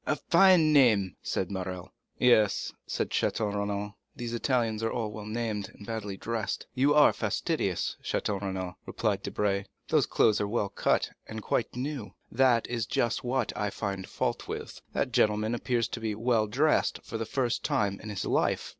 "A fine name," said Morrel. "Yes," said Château Renaud, "these Italians are well named and badly dressed." "You are fastidious, Château Renaud," replied Debray; "those clothes are well cut and quite new." "That is just what I find fault with. That gentleman appears to be well dressed for the first time in his life."